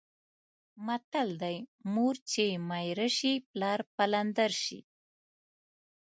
متل دی: مور چې میره شي پلار پلندر شي.